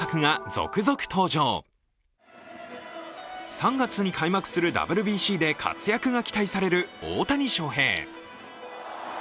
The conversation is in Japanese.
３月に開幕するＷＢＣで活躍が期待される大谷翔平。